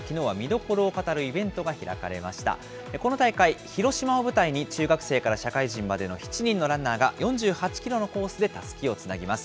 この大会、広島を舞台に中学生から社会人までの７人のランナーが４８キロのコースでたすきをつなぎます。